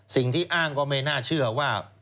สิ่งที่อ้างก็ไม่น่าเชื่อว่า